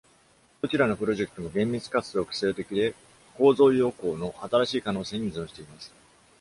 どちらのプロジェクトも厳密かつ独創的で、構造用鋼の新しい可能性に依存しています。